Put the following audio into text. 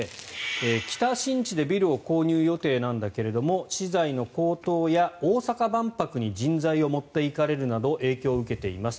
北新地でビルを購入予定なんだけれども資材の高騰や、大阪万博に人材を持っていかれるなど影響を受けています。